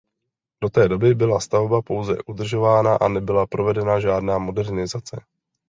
Do té doby byla stavba pouze udržována a nebyla provedena žádná modernizace.